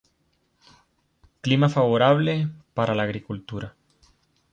Clima favorable para la agricultura.